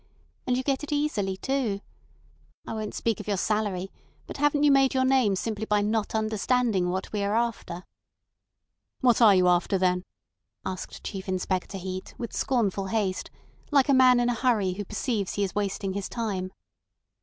And you get it easily, too. I won't speak of your salary, but haven't you made your name simply by not understanding what we are after?" "What are you after, then?" asked Chief Inspector Heat, with scornful haste, like a man in a hurry who perceives he is wasting his time.